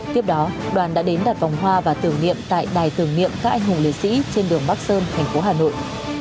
tiếp đó đoàn đã đến đặt vòng hoa và tưởng niệm tại đài tưởng niệm các anh hùng liệt sĩ trên đường bắc sơn thành phố hà nội